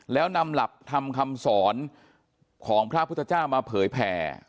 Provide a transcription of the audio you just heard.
แล้วนำหลักธรรมคำสอนของพระพุทธเจ้ามาเผยแผ่